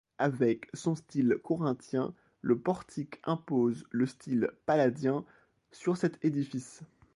Avec son style corinthien, le portique impose le style palladien sur cet édifice.